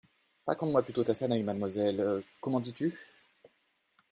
Raconte-moi plutôt ta scène avec mademoiselle … comment dis-tu ?